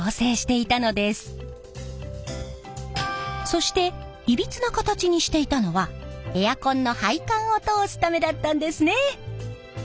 そしていびつな形にしていたのはエアコンの配管を通すためだったんですね！